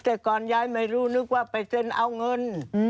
แต่ก่อนยายไม่รู้นึกว่าไปเซ็นเอาเงิน